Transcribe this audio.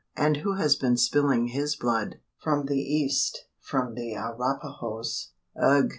and who has been spilling his blood?" "From the east from the Arapahoes." "Ugh!"